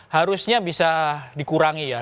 harusnya bisa dikurangi ya